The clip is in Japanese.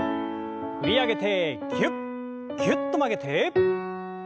振り上げてぎゅっぎゅっと曲げて。